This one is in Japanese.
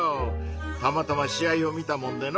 たまたま試合を見たもんでの。